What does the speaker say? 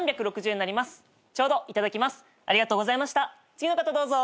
次の方どうぞ。